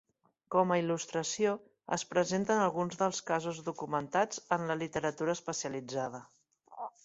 Com a il·lustració es presenten alguns dels casos documentats en la literatura especialitzada.